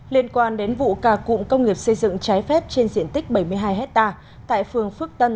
liên quan đến vụ cà cụm công nghiệp xây dựng trái phép trên diện tích bảy mươi hai hectare tại phường phước tân